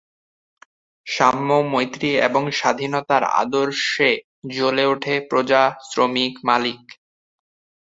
সাম্য, মৈত্রী এবং স্বাধীনতার আদর্শে জ্বলে উঠে প্রজা, শ্রমিক মালিক।